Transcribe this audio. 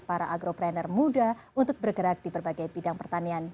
para agropreneur muda untuk bergerak di berbagai bidang pertanian